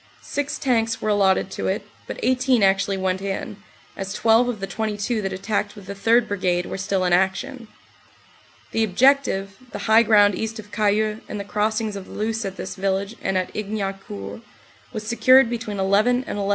Six tanks were allotted to it, but 18 actually went in, as 12 of the 22 that attacked with the 3rd Brigade were still in action. The objective, the high ground east of Cayeux and the cross ings of the Luce at this village and at Ignaucourt, was secured between 11 and 11.30a.